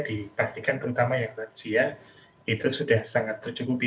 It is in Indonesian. dipastikan terutama yang lansia itu sudah sangat tercukupi